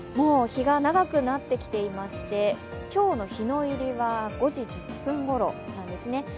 日が長くなってきていまして、今日の日の入りは５時１０分ごろなんですね。